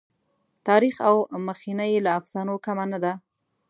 تاریخ او مخینه یې له افسانو کمه نه ده.